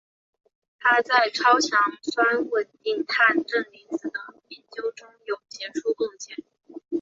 他在超强酸稳定碳正离子的研究中有杰出贡献。